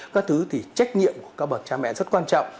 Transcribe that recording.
các thứ thì trách nhiệm của các bậc cha mẹ rất quan trọng